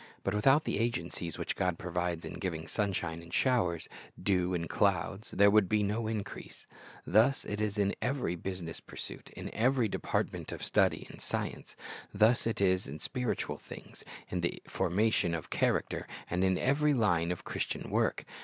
But without the agencies which God provides in giving sunshine and showers, dew and clouds, there would be no increase. Thus it is in every business pursuit, in every department of study and science. Thus it is in spiritual things, in the formation of character, and in every line of Christian work.